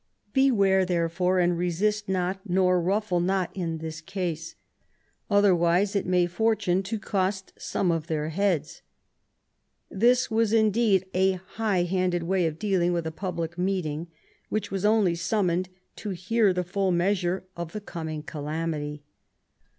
Beware, therefore, and resist not, nor ruffle not in this case ; otherwise it may fortune to cost some their heads." This was indeed a high handed way of dealing with a public meeting, which was only summoned to hear the full measure of the coming calamity.